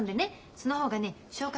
その方がね消化